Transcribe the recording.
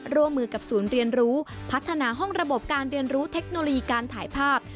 ร่วมมือกับศูนย์เรียนรู้พัฒนาห้องระบบการเรียนรู้เทคโนโลยีการถ่ายภาพ